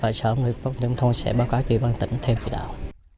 và sở nông nghiệp phát triển nông thôn sẽ báo cáo chư cục thuy lợi theo dự đạo